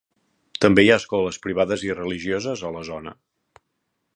També hi ha escoles privades i religioses a la zona.